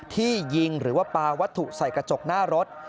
ที่ยิงหรือว่าปลาวัตถุใส่กระจกหน้ารถ